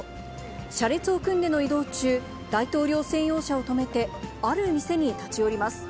車列を組んでの移動中、大統領専用車を止めて、ある店に立ち寄ります。